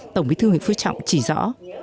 tổng bí thư nguyễn phương trọng chỉ rõ